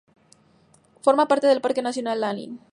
Forma parte del parque nacional Lanín.